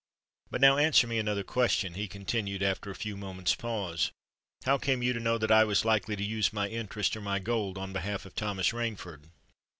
"But now answer me another question," he continued after a few moments' pause: "how came you to know that I was likely to use my interest or my gold on behalf of Thomas Rainford?"